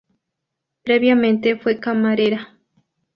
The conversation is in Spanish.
Previamente, fue camarera.